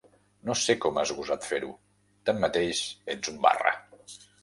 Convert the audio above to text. No sé com has gosat fer-ho: tanmateix ets un barra.